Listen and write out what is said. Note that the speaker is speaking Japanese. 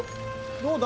どうだ？